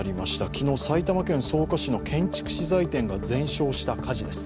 昨日、埼玉県草加市の建築資材店が全焼した火事です。